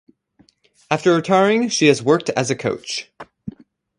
After retiring she has worked as a coach.